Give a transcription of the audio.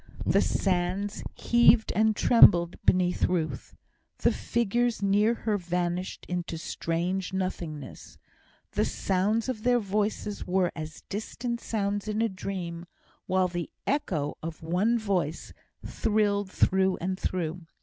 The sands heaved and trembled beneath Ruth. The figures near her vanished into strange nothingness; the sounds of their voices were as distant sounds in a dream, while the echo of one voice thrilled through and through.